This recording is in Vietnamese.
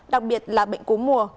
đặc biệt là bệnh cúm mùa